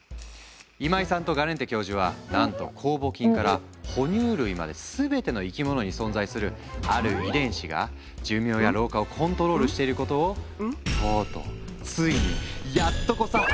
今井さんとガレンテ教授はなんと酵母菌から哺乳類まで全ての生き物に存在するある遺伝子が寿命や老化をコントロールしていることをとうとうついにやっとこさ発見したんだ。